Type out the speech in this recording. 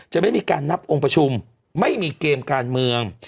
ไม่มีการนับองค์ประชุมไม่มีเกมการเมือง